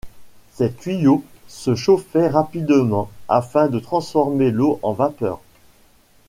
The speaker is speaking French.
Ces tuyaux se chauffaient rapidement afin de transformer l'eau en vapeur.